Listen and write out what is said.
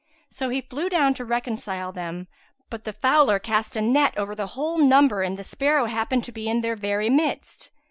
So he flew down to reconcile them; but the fowler cast the net over the whole number and the sparrow happened to be in their very midst.